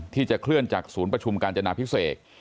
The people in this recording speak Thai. ที่จะเคลื่อนจากศูนย์ประชุมกาญจนาพิเศษ